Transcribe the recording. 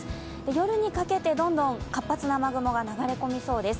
夜にかけてどんどん活発な雨雲が流れ込みそうです。